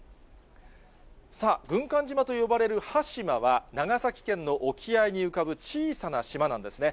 さあ、軍艦島と呼ばれる端島は、長崎県の沖合に浮かぶ小さな島なんですね。